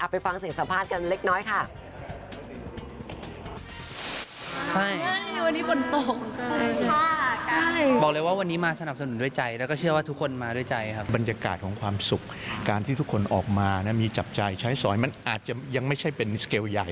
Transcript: ไปฟังเสียงสัมภาษณ์กันเล็กน้อยค่ะ